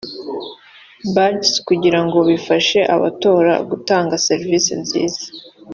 Bags) kugira ngo bifashe abatora gutanga serivisi nziza